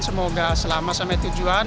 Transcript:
semoga selamat sampai tujuan